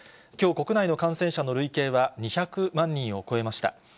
きょう国内の感染者の累計は２００万人を超えました。